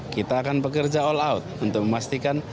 kita akan bekerja all out untuk memastikan